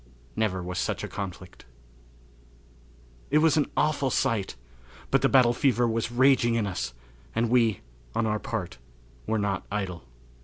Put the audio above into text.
Never Was Such a Conflict. It was an awful sight; but the battle fever was raging in us, and we, on our part, were not idle.